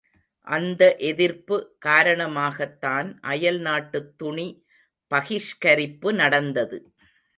அந்த எதிர்ப்பு காரணமாகத்தான் அயல்நாட்டுத் துணி பகிஷ்கரிப்பு நடந்தது.